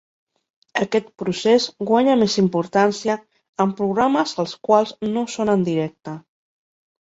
Aquest procés guanya més importància en programes els quals no són en directe.